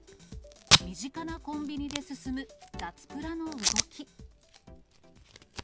身近なコンビニで進む脱プラの動き。